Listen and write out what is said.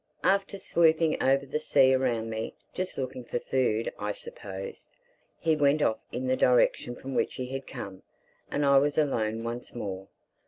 After swooping over the sea around me (just looking for food, I supposed) he went off in the direction from which he had come. And I was alone once more.